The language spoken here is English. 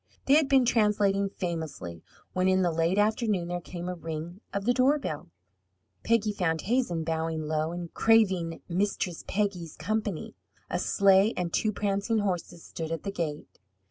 They had been translating famously, when, in the late afternoon, there came a ring of the doorbell. Peggy found Hazen bowing low, and craving "Mistress Peggy's company." A sleigh and two prancing horses stood at the gate.